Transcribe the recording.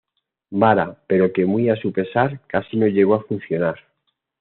Vara, pero que muy a su pesar, casi no llegó a funcionar.